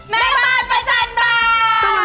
แม่กระปาดประจัดมา